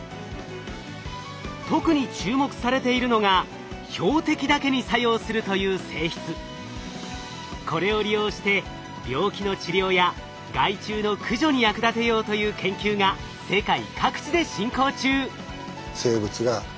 特に注目されているのがこれを利用して病気の治療や害虫の駆除に役立てようという研究が世界各地で進行中。